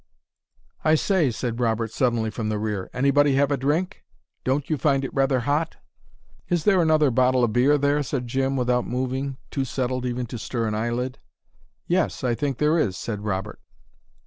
"I say," said Robert suddenly, from the rear "anybody have a drink? Don't you find it rather hot?" "Is there another bottle of beer there?" said Jim, without moving, too settled even to stir an eye lid. "Yes I think there is," said Robert.